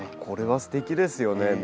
これはすてきですよね。